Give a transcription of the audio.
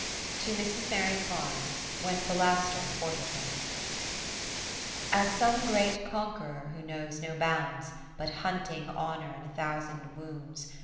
To Mrs. Mary Carne, when Philaster courted her As some great Conqueror who knows no bounds. But hunting Honour in a thousand wounds.